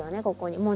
ここに。